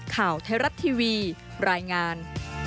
ข่าวไทยรัฐทีวีรายงาน